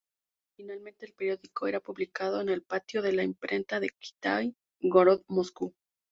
Originalmente, el periódico era publicado en el Patio de la Imprenta de Kitai-gorod, Moscú.